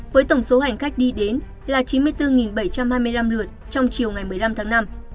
với tổng số hành khách đi đến là chín mươi bốn bảy trăm hai mươi năm lượt trong chiều ngày một mươi năm tháng năm